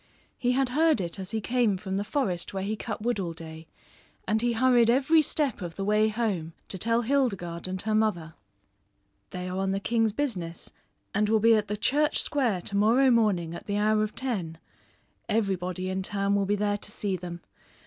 He had heard it as he came from the forest where he cut wood all day and he hurried every step of the way home to tell Hildegarde and her mother. "They are on the king's business and will be at the Church Square to morrow morning at the hour of ten. Everybody in town will be there to see them.